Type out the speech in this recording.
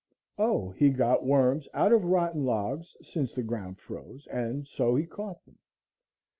O, he got worms out of rotten logs since the ground froze, and so he caught them.